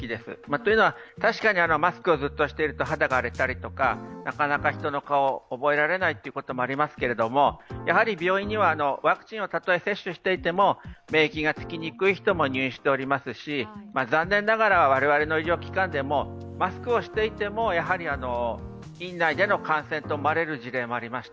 というのは、確かにマスクをずっとしていると肌が荒れたりとかなかなか人の顔を覚えられないということもありますけれども、病院にはワクチンをたとえ接種していても、免疫がつきにくい人も入院していますし、残念ながら我々の医療機関でもマスクをしていても院内での感染と思われる事例もありました。